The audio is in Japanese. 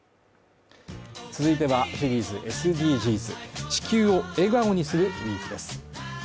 続いては、シリーズ「ＳＤＧｓ」「地球を笑顔にするＷＥＥＫ」です。